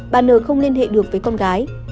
bà nờ không liên hệ được với con gái